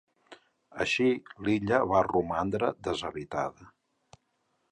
Així, l'illa va romandre deshabitada.